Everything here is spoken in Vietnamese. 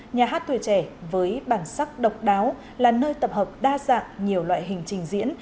nhà hát tuổi trẻ với bản sắc độc đáo là nơi tập hợp đa dạng nhiều loại hình trình diễn